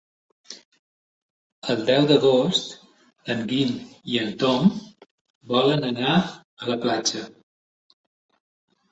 El deu d'agost en Guim i en Tom volen anar a la platja.